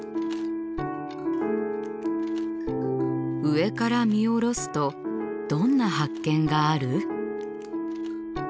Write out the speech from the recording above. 上から見下ろすとどんな発見がある？